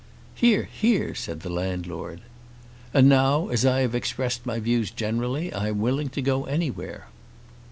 "Hear, hear!" said the landlord. "And now, as I have expressed my views generally, I am willing to go anywhere."